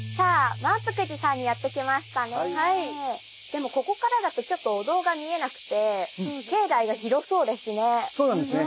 でもここからだとちょっとお堂が見えなくて境内が広そうですね。